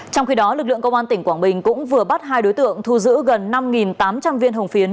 trong khi đó lực lượng công an tỉnh quảng bình cũng vừa bắt hai đối tượng thu giữ gần năm tám trăm linh viên hồng phiến